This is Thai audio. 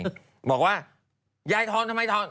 บอกว่ายายทอนทำไมทอน